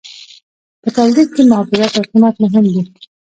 په تولید کې محافظت او قیمت مهم دي.